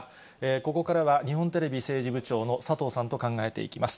ここからは日本テレビ政治部長の佐藤さんと考えていきます。